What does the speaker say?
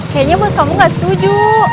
kayaknya bos kamu gak setuju